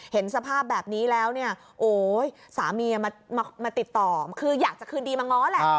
เห็นสภาพแบบนี้แล้วเนี่ยโอ้ยสามีมาติดต่อคืออยากจะคืนดีมาง้อแหละ